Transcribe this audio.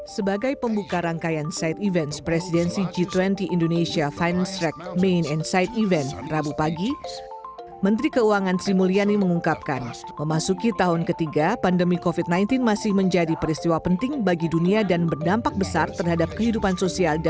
sebagai pembuka rangkaian side events presidensi g dua puluh indonesia finance track main and side event rabu pagi